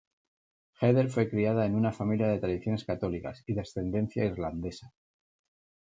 Heather fue criada en una familia de tradiciones católicas y de ascendencia irlandesa.